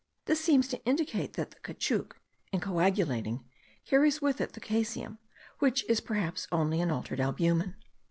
This seems to indicate that the caoutchouc, in coagulating, carries with it the caseum, which is perhaps only an altered albumen.